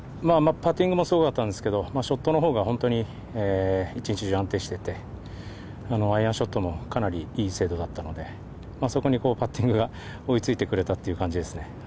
◆パッティングもすごかったんですけど、ショットのほうが本当に一日中安定していて、アイアンショットもかなりいい精度だったので、そこにパッティングが追いついてくれたという感じですね。